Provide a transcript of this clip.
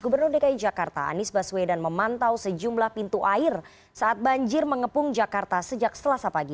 gubernur dki jakarta anies baswedan memantau sejumlah pintu air saat banjir mengepung jakarta sejak selasa pagi